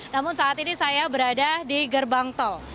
namun saat ini saya berada di gerbang tol